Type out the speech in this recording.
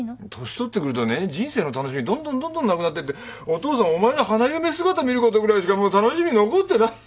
年取ってくるとね人生の楽しみどんどんどんどんなくなってってお父さんお前の花嫁姿見ることぐらいしかもう楽しみ残ってない。